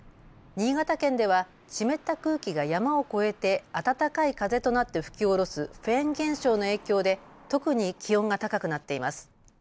新潟県では湿った空気が山を越えて暖かい風となって吹き降ろすフェーン現象の影響で特に気温が高くなっています。